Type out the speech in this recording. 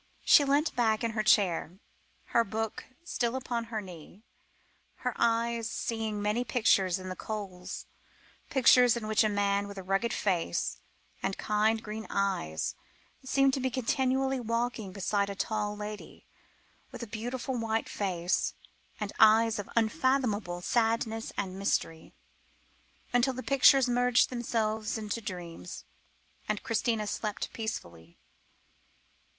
She leant back in her chair, her book still upon her knee, her eyes seeing many pictures in the coals pictures in which a man with a rugged face, and kind grey eyes, seemed to be continually walking beside a tall lady with a beautiful white face, and eyes of unfathomable sadness and mystery, until the pictures merged themselves into dreams, and Christina slept peacefully.